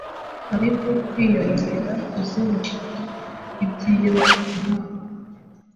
hariho kwiyongera kuzinukwa iby’iyobokamana,